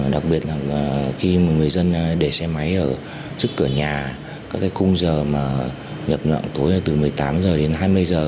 đặc biệt là khi người dân để xe máy ở trước cửa nhà các cái cung giờ mà nhập nặng tối từ một mươi tám h đến hai mươi hai h